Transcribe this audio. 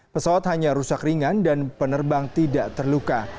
pesawat hanya rusak ringan dan penerbang tidak terluka